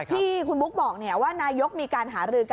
ที่คุณบุ๊กบอกว่านายกมีการหารือกัน